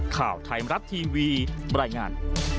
ข่าวไทยมรัฐทีวีบรรยายงาน